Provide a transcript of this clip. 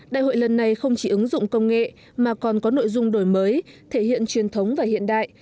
đại hội lần này không chỉ ứng dụng công nghệ mà còn có nội dung đổi mới thể hiện truyền thống và hiện đại